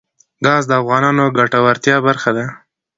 ګاز د افغانانو د ګټورتیا برخه ده.